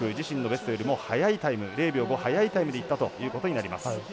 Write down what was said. ベストよりも速いタイム０秒５速いタイムでいったということになります。